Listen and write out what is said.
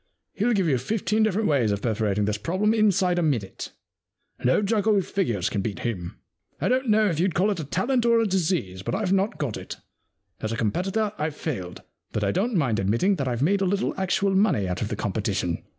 He'd give you fifteen different ways of perforating this prob lem inside a minute. No juggle with figures can beat him. I don't know if you'd call it a talent or a disease, but I've not got it. 70 The Win and Lose Problem As a competitor, IVe failed, but I don't mind admitting that Fve made a little actual money out of the competition.'